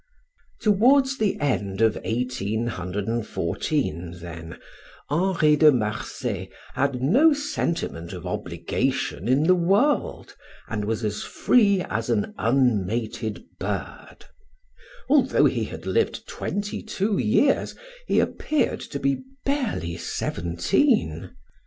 Towards the end of 1814, then, Henri de Marsay had no sentiment of obligation in the world, and was as free as an unmated bird. Although he had lived twenty two years he appeared to be barely seventeen.